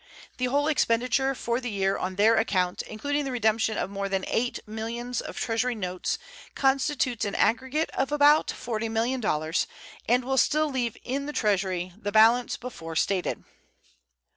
The whole expenditure for the year on their account, including the redemption of more than eight millions of Treasury notes, constitutes an aggregate of about $40,000,000, and will still leave in the Treasury the balance before stated.